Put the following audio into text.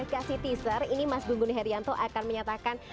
oke tadi saya sudah kasih teaser ini mas gun gun herianto akan menyatakan